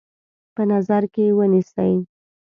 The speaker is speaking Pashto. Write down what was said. په نظر کې ونیسي.